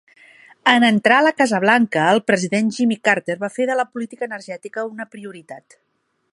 En entrar a la Casa Blanca, el president Jimmy Carter va fer de la política energètica una prioritat.